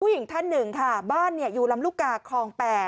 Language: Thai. ผู้หญิงท่าน๑ค่ะบ้านอยู่ลำลุกกากครอง๘